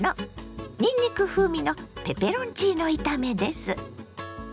にんにく風味のペペロンチーノ炒めです。